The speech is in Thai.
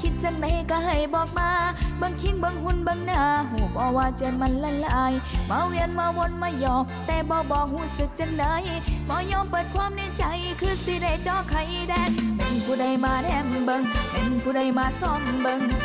คือสีได้เจาะไข้แดงเป็นผู้ได้มาแรมบังเป็นผู้ได้มาซ่อมบัง